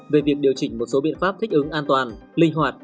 về việc điều chỉnh một số biện pháp thích ứng an toàn linh hoạt